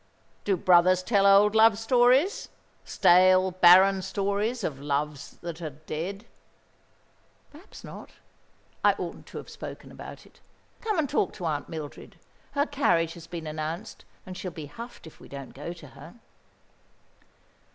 "Do brothers tell old love stories? Stale, barren stories of loves that are dead?" "Perhaps not. I oughtn't to have spoken about it. Come and talk to Aunt Mildred. Her carriage has been announced, and she'll be huffed if we don't go to her."